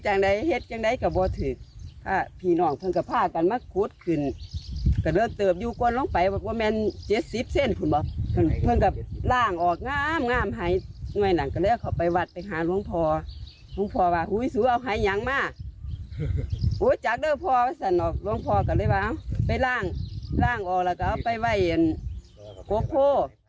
จากนี่พอสั่นออกลงพอกันเลยว้างไปล่างล่างออกแล้วก็เอาไปไว้กลัวโพ่